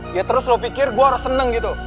dia terus lo pikir gue harus seneng gitu